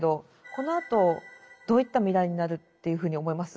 このあとどういった未来になるというふうに思います？